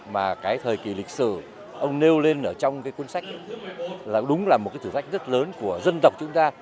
mà cái thời kỳ lịch sử ông nêu lên ở trong cái cuốn sách đấy là đúng là một cái thử thách rất lớn của dân tộc chúng ta